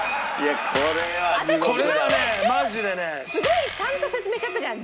私自分ですごいちゃんと説明しちゃったじゃん。